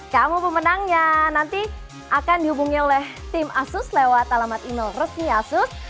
kamu pemenangnya nanti akan dihubungi oleh tim asus lewat alamat email resmi asus